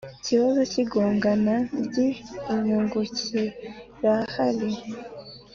ikibazo cy igongana ry inyungucyirahari